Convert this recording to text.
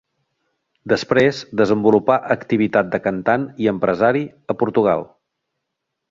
Després desenvolupà activitat de cantant i empresari a Portugal.